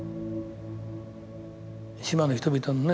島の人々のね